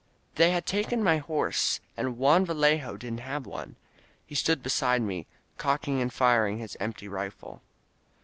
They had taken my horse, and Juan Yallejo didn't have one. He stood beside me, cocking and firing his empty rifle.